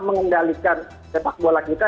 mengendalikan sepak bola kita